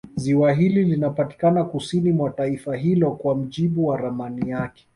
Ziwa hili linapatikana kusini mwa taifa hilo kwa mujibu wa ramani yake